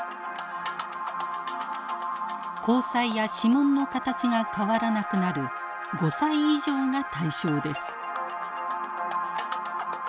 虹彩や指紋の形が変わらなくなる５歳以上が対象です。